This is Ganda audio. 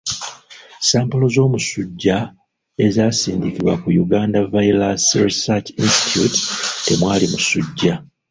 Sampolo z'omusujja ezasindikibwa ku Uganda Virus Research institute temwali musujja.